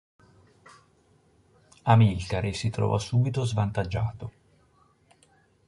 Amilcare si trovò subito svantaggiato.